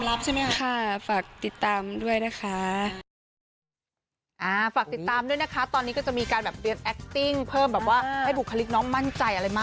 กระซิบได้ไหมว่าเป็นใครบ้างอ๋อยังดีกว่าค่ะ